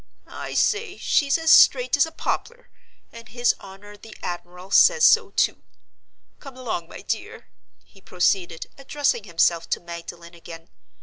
"I say she's as straight as a poplar, and his honor the admiral says so too! Come along, my dear," he proceeded, addressing himself to Magdalen again.